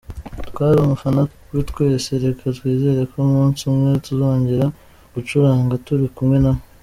Twari umufana we twese, reka twizere ko umunsi umwe tuzongera gucuranga turi kumwe nawe.